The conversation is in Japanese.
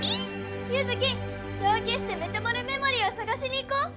ユヅキ手分けしてメタモルメモリーを探しにいこう！